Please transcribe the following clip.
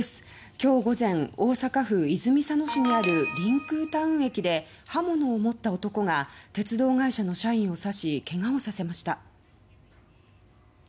今日午前大阪府泉佐野市にあるりんくうタウン駅で刃物を持った男が鉄道会社の社員を刺しけがをさせました。